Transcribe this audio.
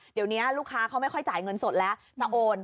เดี๋ยวนี้ลูกค้าเขาไม่ค่อยจ่ายเงินสดแล้วจะโอน